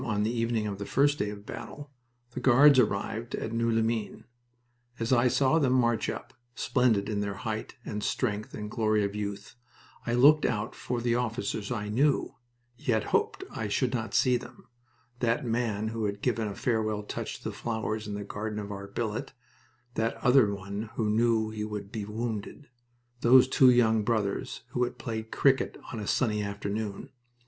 on the evening of the first day of battle, the Guards arrived at Noeux les Mines. As I saw them march up, splendid in their height and strength and glory of youth, I looked out for the officers I knew, yet hoped I should not see them that man who had given a farewell touch to the flowers in the garden of our billet, that other one who knew he would be wounded, those two young brothers who had played cricket on a sunny afternoon.